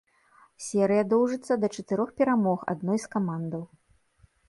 Серыя доўжыцца да чатырох перамог адной з камандаў.